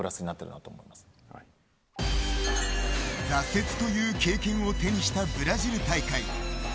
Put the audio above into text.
挫折という経験を手にしたブラジル大会。